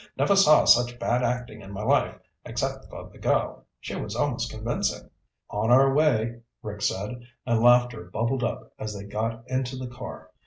Never saw such bad acting in my life, except for the girl. She was almost convincing." "On our way," Rick said, and laughter bubbled up as they got into the car.